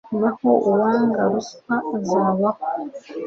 naho uwanga ruswa azabaho